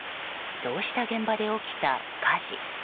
そうした現場で起きた火事。